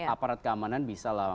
aparat keamanan bisa lah